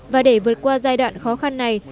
và để vượt qua giai đoạn khó khăn này